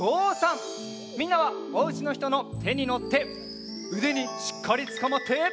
みんなはおうちのひとのてにのってうでにしっかりつかまって。